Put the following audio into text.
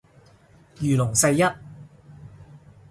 如龍世一